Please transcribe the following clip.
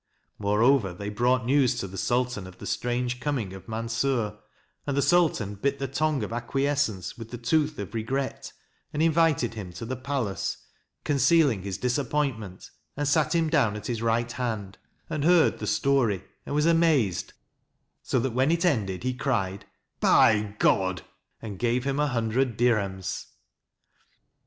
More over, they brought news to the Sultan of the strange coming of Mansur, and the Sultan bit the tongue of acquiescence with the tooth of regret, and invited him to the palace, concealing his disappointment, and sat him down at his right hand, and heard the story and 54 MANSUR was amazed, so that when it was ended he cried " By God!" and gave him a hundred dirhems.